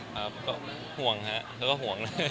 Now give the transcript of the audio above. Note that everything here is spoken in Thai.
ครับก็ห่วงฮะแล้วก็ห่วง